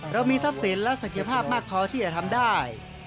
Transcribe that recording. เรามีทรัพย์สินและศักยภาพมากพอที่จะทำได้